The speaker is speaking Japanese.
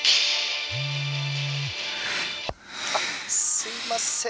「すいません